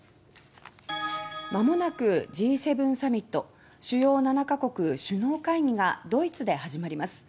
まもなくＧ７サミット・主要７か国首脳会議がドイツで始まります。